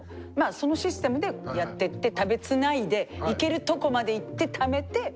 そのシステムでやってって食べつないでいけるとこまでいって貯めて。